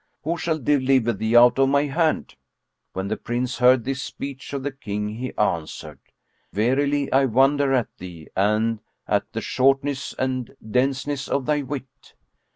Who shall deliver thee out of my hand?" When the Prince heard this speech of the King he answered, "Verily, I wonder at thee and at the shortness and denseness of thy wit!